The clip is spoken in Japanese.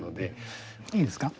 いいですか？